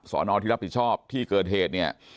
สอนอที่รับผิดชอบที่เกิดเหตุเนี่ย